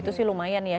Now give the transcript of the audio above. itu sih lumayan ya